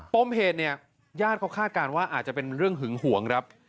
ป้มเหตุญาติเขาคาดการณ์ว่าอาจจะเป็นเรื่องหึงหวง